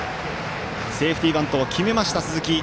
セーフティーバントを決めました鈴木。